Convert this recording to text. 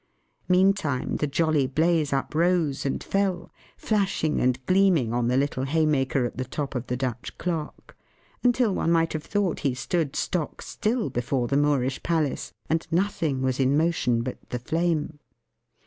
Meantime, the jolly blaze uprose and fell, flashing and gleaming on the little Haymaker at the top of the Dutch clock, until one might have thought he stood stock still before the Moorish Palace, and nothing was in motion but the flame.